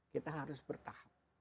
kita harus bertahap